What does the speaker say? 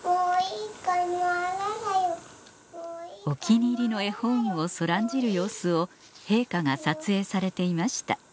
お気に入りの絵本をそらんじる様子を陛下が撮影されていました